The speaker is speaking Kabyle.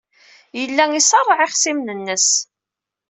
Yella iṣerreɛ ixṣimen-nnes.